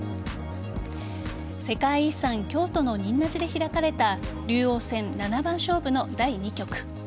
世界遺産京都の仁和寺で開かれた竜王戦七番勝負の第２局。